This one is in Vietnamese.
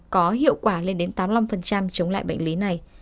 có hiệu quả lên đến tám mươi năm chống lại bệnh lý này